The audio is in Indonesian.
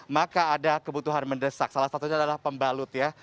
maka ada kebutuhan mendesak salah satunya adalah pembalut ya